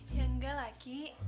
ya enggak lah ki